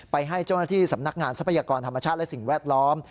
ให้เจ้าหน้าที่สำนักงานทรัพยากรธรรมชาติและสิ่งแวดล้อม